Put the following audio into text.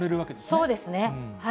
そうですね。